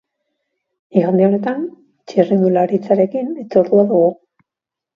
Igande honetan, txirrindularitzarekin hitzordua dugu.